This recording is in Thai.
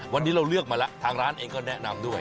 วันนี้เราเลือกมาแล้วทางร้านเองก็แนะนำด้วย